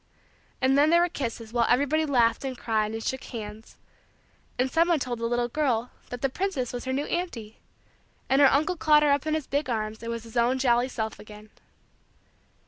And then there were kisses while everybody laughed and cried and shook hands; and some one told the little girl that the princess was her new auntie; and her uncle caught her up in his big arms and was his own jolly self again.